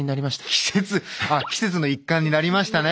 季節季節の一環になりましたね。